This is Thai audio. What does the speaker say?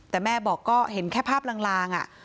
แต่แม่บอกก็เห็นแค่ภาพลาง